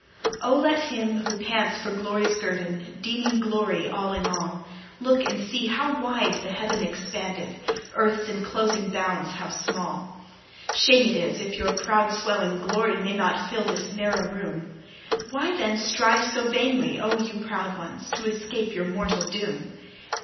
Oh, let him, who pants for glory's guerdon, Deeming glory all in all, Look and see how wide the heaven expandeth, Earth's enclosing bounds how small! Shame it is, if your proud swelling glory May not fill this narrow room! Why, then, strive so vainly, oh, ye proud ones! To escape your mortal doom?